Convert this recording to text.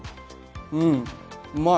うんうまい！